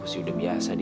lu sial lu ya